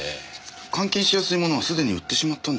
換金しやすい物はすでに売ってしまったんでしょう。